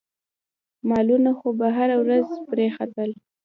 مالونه خو به هره ورځ پرې ختل.